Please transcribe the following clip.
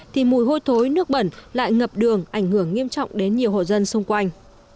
thì mùi hôi thối nước bẩn lại ngập đường ảnh hưởng nghiêm trọng đến nhiều hộ dân xung quanh